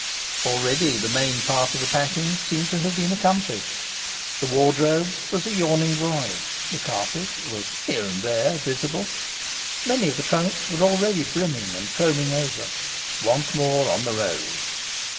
Already the main part of the packing seemed to have been accomplished. The wardrobe was a yawning void, the carpet was here and there visible, many of the trunks were already brimming and foaming over... Once more on the road!